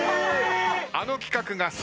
あの企画が。